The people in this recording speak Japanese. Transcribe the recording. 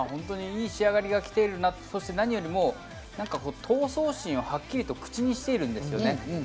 いい仕上がりが来ているな、そして何より闘争心をはっきりと口にしているんですね。